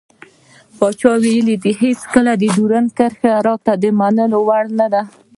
پاچا وويل هېڅکله ډيورند کرښه راته د منلو وړ نه دى.